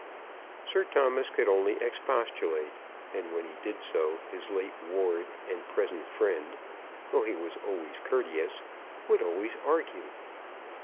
Sir Thomas could only expostulate, and when he did so, his late ward and present friend, though he was always courteous, would always argue.